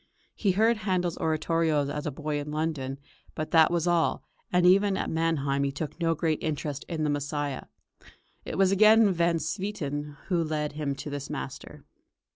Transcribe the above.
He heard Handel's oratorios as a boy in London, but that was all, and even at Mannheim he took no great interest in the "Messiah." It was again Van Swieten who led him to this master.